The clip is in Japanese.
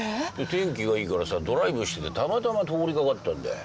天気がいいからさドライブしててたまたま通り掛かったんだよ。